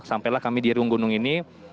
sampailah kami di riung gunung ini